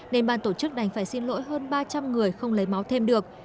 nên ban tổ chức đành phải xin lỗi hơn ba trăm linh người không lấy máu thêm được